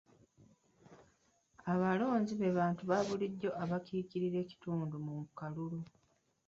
Abalonzi be bantu baabulijjo abakiikirira ekitundu mu kalulu.